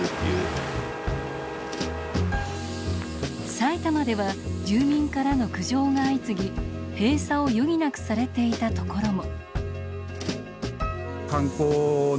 埼玉では住民からの苦情が相次ぎ、閉鎖を余儀なくされていたところも。